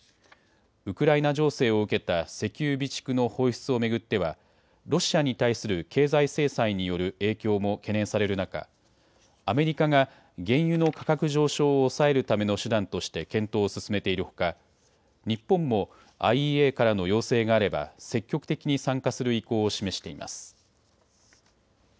ウクライナ情勢を受けた石油備蓄の放出を巡ってはロシアに対する経済制裁による影響も懸念される中、アメリカが原油の価格上昇を抑えるための手段として検討を進めているほか日本もＩＥＡからの要請があれば積極的に参加する意向を示しています。